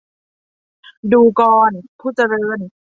ดูกร ผู้เจริญ